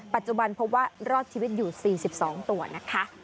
ปัจจุบันพบว่ารอดชีวิตอยู่๔๒ตัวนะคะ